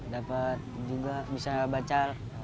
dapat juga bisa baca